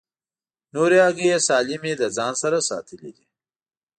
نورې هګۍ یې سالمې له ځان سره ساتلې دي.